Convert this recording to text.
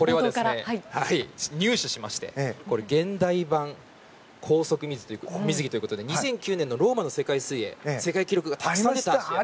入手しまして現代版高速水着ということで２００９年のローマの世界水泳世界記録がたくさん出た。